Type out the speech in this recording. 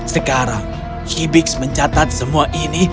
sekarang hibis mencatat semua ini